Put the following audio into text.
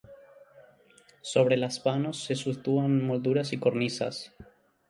Sobre los vanos se sitúan molduras y cornisas.